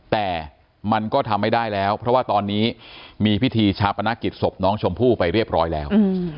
แต่มันก็ทำไม่ได้แล้วเพราะว่าตอนนี้มีพิธีชาปนกิจศพน้องชมพู่ไปเรียบร้อยแล้ว